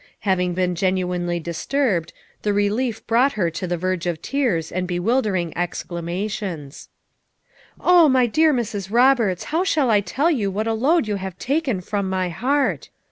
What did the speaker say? Hav ing been genuinely disturbed, the relief brought her to the verge of tears and bewildering ex clamations. "Oh, my dear Mrs. Roberts, how shall I tell you what a load you have taken from my heart